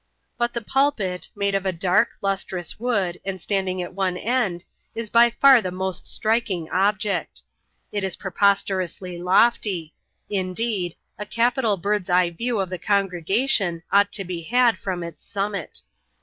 But the pulpit, made of a dai k, lustrous wood, and standing at one end, is by far the most striking object. It is preposter ously lofty : indeed, a capital bird's eye view of the congregatioa ought to be had from its summit.